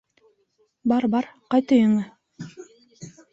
Бар, бар, ҡайт өйөңә.